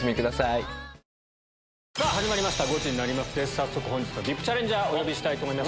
早速本日のＶＩＰチャレンジャーお呼びしたいと思います。